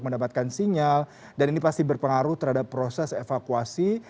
mendapatkan sinyal dan ini pasti berpengaruh terhadap proses evakuasi